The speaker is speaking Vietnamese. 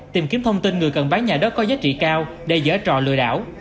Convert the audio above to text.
tìm kiếm thông tin người cần bán nhà đất có giá trị cao để giới trò lừa đảo